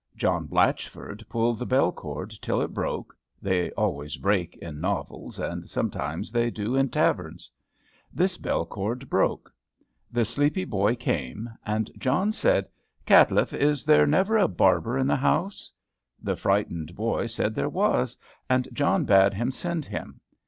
John Blatchford pulled the bell cord till it broke (they always break in novels, and sometimes they do in taverns). This bell cord broke. The sleepy boy came; and John said, "Caitiff, is there never a barber in the house?" The frightened boy said there was; and John bade him send him.